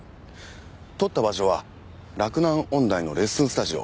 撮った場所は洛南音大のレッスンスタジオ。